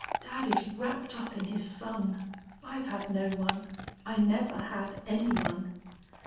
Dad is wrapped up in his son. I've had no one. I never had any one."